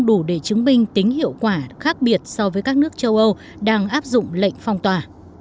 đủ để chứng minh tính hiệu quả khác biệt so với các nước châu âu đang áp dụng lệnh phong tỏa